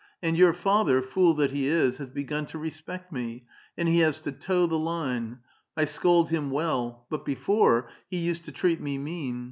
And your father, fool that he is, has begun to respect me, and he has to toe the line. I scold him well. But before, he used to treat me mean.